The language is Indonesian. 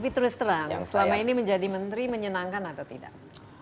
tapi terus terang selama ini menjadi menteri menyenangkan atau tidak